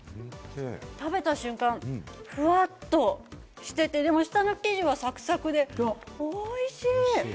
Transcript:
食べた瞬間ふわっとしてて、でも下の生地はサクサクで、おいしい！